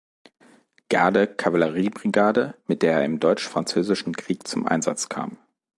Garde-Kavallerie-Brigade, mit der er im Deutsch-Französischen Krieg zum Einsatz kam.